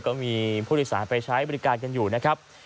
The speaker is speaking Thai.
ก็มีผู้โดยสารไปใช้บริการกันอยู่นะครับ